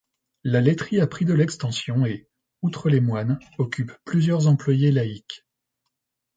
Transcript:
La laiterie a pris de l’extension et, outre les moines, occupe plusieurs employés laïcs.